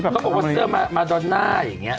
เขาบอกว่าเสื้อมาดอนน่าอย่างนี้